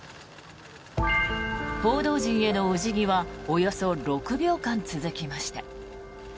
報道陣へのお辞儀はおよそ６秒間続きました。